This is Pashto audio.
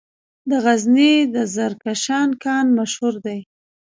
د غزني د زرکشان کان مشهور دی